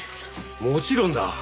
もちろんだ。